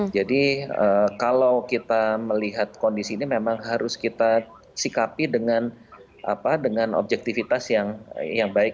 jadi kalau kita melihat kondisi ini memang harus kita sikapi dengan objektivitas yang baik